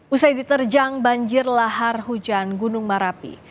usai diterjang banjir lahar hujan gunung merapi